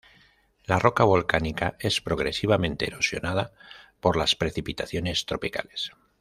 La roca volcánica es progresivamente erosionada por las precipitaciones tropicales.